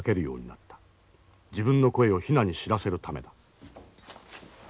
自分の声をヒナに知らせるためだ。